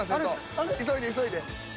急いで急いで。